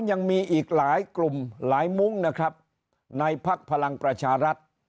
ยังมีอีกหลายกลุ่มหลายมุ้งนะครับในภักดิ์พลังประชารัฐ